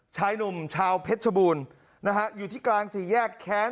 ชายหนุ่มชาวเพชรชบูรณ์นะฮะอยู่ที่กลางสี่แยกแค้น